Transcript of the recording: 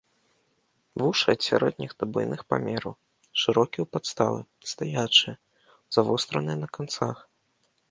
Вушы ад сярэдніх да буйных памераў, шырокія ў падставы, стаячыя, завостраныя на канцах.